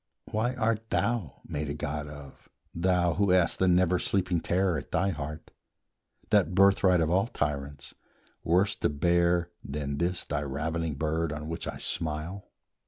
Why art thou made a god of, thou, who hast The never sleeping terror at thy heart, That birthright of all tyrants, worse to bear Than this thy ravening bird on which I smile?